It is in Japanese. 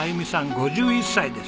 ５１歳です。